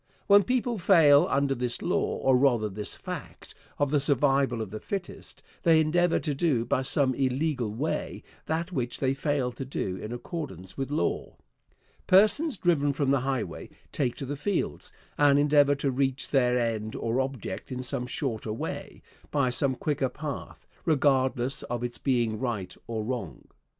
When people fail under this law, or rather this fact, of the survival of the fittest, they endeavor to do by some illegal way that which they failed to do in accordance with law. Persons driven from the highway take to the fields, and endeavor to reach their end or object in some shorter way, by some quicker path, regardless of its being right or wrong.